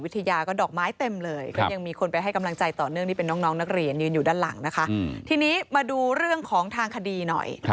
ทีนี้มาดูเรื่องของทางคดีหน่อย